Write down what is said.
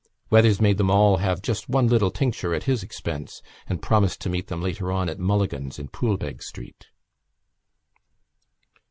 Weathers made them all have just one little tincture at his expense and promised to meet them later on at Mulligan's in Poolbeg Street.